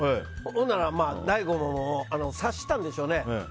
ほんなら、大悟も察したんでしょうね。